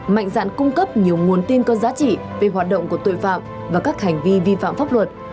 mạnh dạn cung cấp nhiều nguồn tin có giá trị về hoạt động của tội phạm và các hành vi vi phạm pháp luật